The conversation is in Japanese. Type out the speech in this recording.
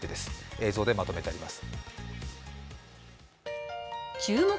映像でまとめてあります。